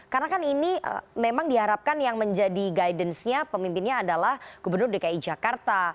karena kan ini memang diharapkan yang menjadi guidance nya pemimpinnya adalah gubernur dki jakarta